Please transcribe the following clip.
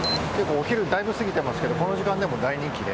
お昼だいぶ過ぎてますけどこの時間でも大人気で。